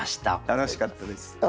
楽しかったです。